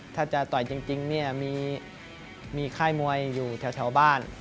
ถ้าจะต่อยจริงเนี่ยมีค่ายมวยอยู่แถวบ้าน